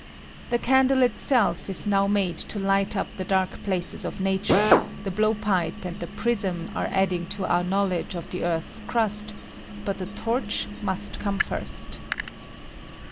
I The candle itself is now made to light up the I dark places of nature ; the blowpipe and the I prism are adding to our knowledge of the I earth's crust, but the torch must come first.